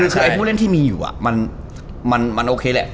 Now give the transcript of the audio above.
คือคนเล่นที่มีอยู่มันโอเคแหละ